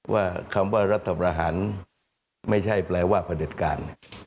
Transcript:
ว่าคำว่ารัฐประหารไม่ใช่แปลว่าประเด็จการ